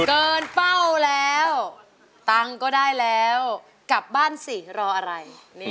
เป้าแล้วตังค์ก็ได้แล้วกลับบ้านสิรออะไร